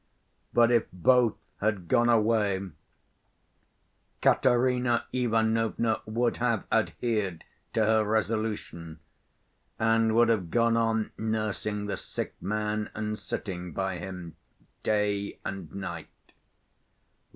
But if both had gone away, Katerina Ivanovna would have adhered to her resolution, and would have gone on nursing the sick man and sitting by him day and night.